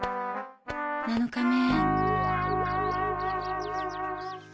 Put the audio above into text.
７日目。